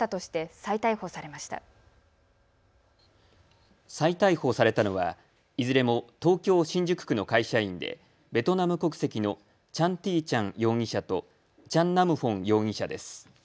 再逮捕されたのはいずれも東京新宿区の会社員でベトナム国籍のチャン・ティー・チャン容疑者とチャン・ナム・フォン容疑者です。